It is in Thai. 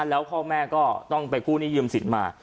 แล้วพ่อแม่ก็ต้องไปคู่นิยมสิทธิ์มา